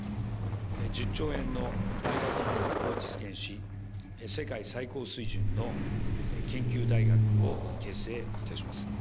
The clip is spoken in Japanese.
１０兆円の大学ファンドを実現し、世界最高水準の研究大学を形成いたします。